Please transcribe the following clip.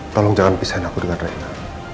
tolong jangan pisahin aku dengan reina